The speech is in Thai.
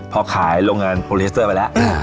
พอขายโรงงานโปรลิสเตอร์ไปแล้ว